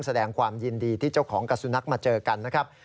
แสดงความยินดีที่เจ้าของกับสุนัขมาเจอกันนะครับ